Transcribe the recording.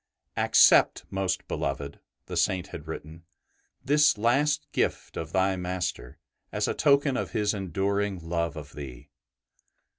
" Accept, most beloved,'' the Saint had written, '' this last gift of thy master, as a token of his enduring love of thee.''